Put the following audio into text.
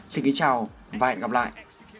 xin kính chào và hẹn gặp lại